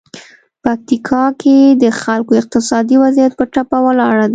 پکتیکا کې د خلکو اقتصادي وضعیت په ټپه ولاړ دی.